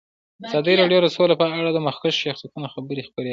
ازادي راډیو د سوله په اړه د مخکښو شخصیتونو خبرې خپرې کړي.